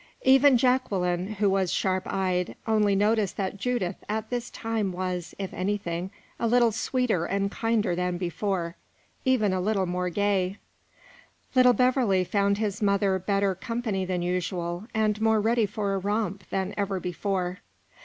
Even Jacqueline, who was sharp eyed, only noticed that Judith at this time was, if anything, a little sweeter and kinder than before even a little more gay. Little Beverley found his mother better company than usual, and more ready for a romp than ever before.